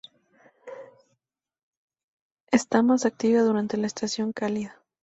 Está más activa durante la estación cálida.